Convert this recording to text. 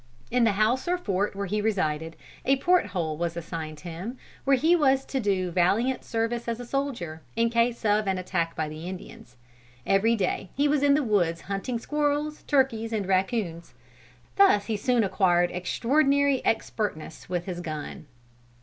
In the house or fort where he resided, a port hole was assigned him, where he was to do valiant service as a soldier, in case of an attack by the Indians. Every day he was in the woods hunting squirrels, turkeys and raccoons. Thus he soon acquired extraordinary expertness with his gun.